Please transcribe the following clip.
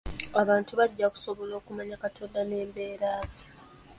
Abantu bajja kusobola okumanya Katonda n'embeera ze.